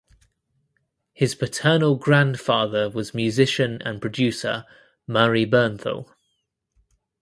His paternal grandfather was musician and producer Murray Bernthal.